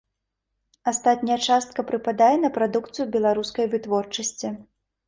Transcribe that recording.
Астатняя частка прыпадае на прадукцыю беларускай вытворчасці.